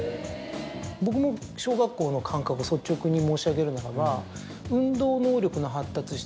僕も小学校の感覚を率直に申し上げるならば。